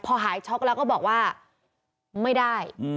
พอหายช็อกแล้วก็บอกว่าไม่ได้